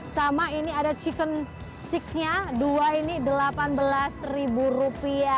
sama ini ada chicken sticknya dua ini rp delapan belas